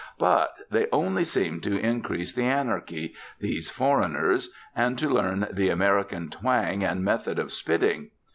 But they only seem to increase the anarchy, these 'foreigners,' and to learn the American twang and method of spitting.